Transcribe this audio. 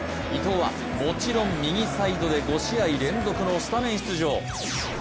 伊東はもちろん右サイドで５試合連続のスタメン出場。